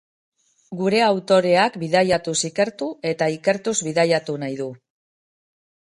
Gure autoreak bidaiatuz ikertu eta ikertuz bidaiatu nahi du.